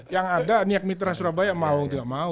yang ada niak mitra surabaya mau gak mau